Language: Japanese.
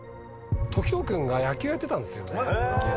時任君が野球やってたんですよね。